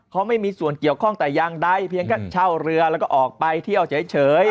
เขาไม่มีส่วนเกี่ยวข้องแต่อย่างใดเพียงแค่เช่าเรือแล้วก็ออกไปเที่ยวเฉย